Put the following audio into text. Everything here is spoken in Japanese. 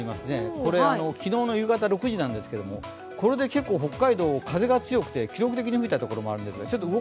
これ、昨日の夕方６時なんですけどこれで結構、北海道、風が強くて、記録的に吹いた所もあります。